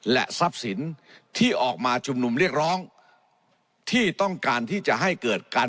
และทรัพย์สินที่ออกมาชุมนุมเรียกร้องที่ต้องการที่จะให้เกิดการ